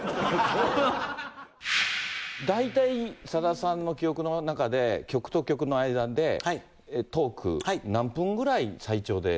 大体、さださんの記憶の中で曲と曲の間でトーク、何分ぐらい最長で。